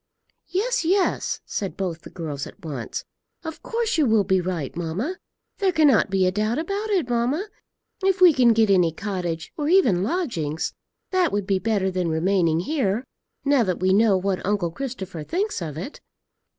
"Yes, yes," said both the girls at once. "Of course you will be right, mamma; there cannot be a doubt about it, mamma. If we can get any cottage, or even lodgings, that would be better than remaining here, now that we know what uncle Christopher thinks of it."